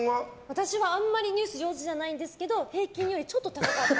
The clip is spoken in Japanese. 私はあんまりニュース上手じゃないんですけど平均よりちょっと高かった。